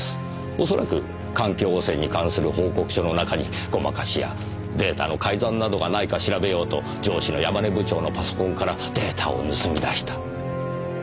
おそらく環境汚染に関する報告書の中にごまかしやデータの改ざんなどがないか調べようと上司の山根部長のパソコンからデータを盗み出した。